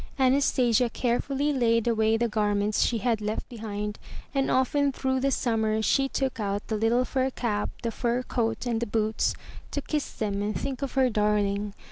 Anastasia carefully laid away the garments she had left behind and often through the summer she took out the little fur cap, the fur coat and the boots, to kiss them and think of her darling.